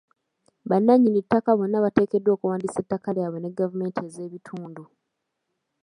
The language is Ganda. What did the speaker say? Bannanyini ttaka bonna bateekeddwa okuwandiisa ettaka lyabwe ne gavumenti ez'ebitundu.